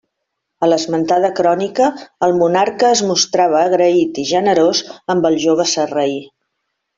A l'esmentada crònica el monarca es mostrava agraït i generós amb el jove sarraí.